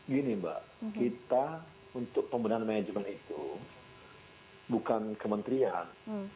gini mbak kita untuk pembinaan manajemen itu bukan kementrian